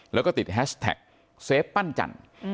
แล้วก็ติดแฮชแท็กเซฟปั้นจันทร์